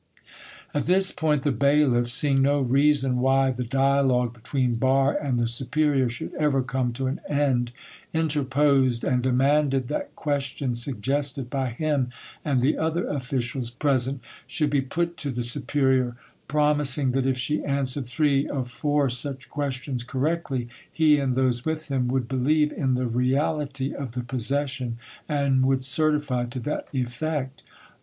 At this point the bailiff, seeing no reason why the dialogue between Barre and the superior should ever come to an end, interposed and demanded that questions suggested by him and the other officials present should be put to the superior, promising that if she answered three of four such questions correctly, he, and those with him, would believe in the reality of the possession, and would certify to that effect.